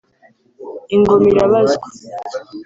ingoma irabazwa”